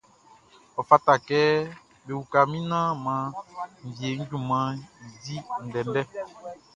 Ɔ fata kɛ be uka min naan mʼan wie junmanʼn i di ndɛndɛ.